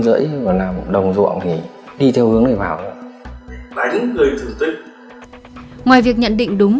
đây là một vụ tai nạn giao thông